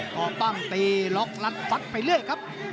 ก่อปั้งตีล็อกลัดปั๊กไปเรื่อยครับ